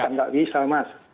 tapi kita tidak bisa mas